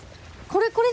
これ？